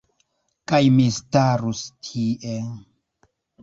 Kaj mi starus tie...